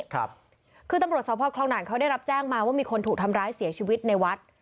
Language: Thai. คือตำรวจสพคลองด่านเขาได้รับแจ้งมาว่ามีคนถูกทำร้ายเสียชีวิตในวัด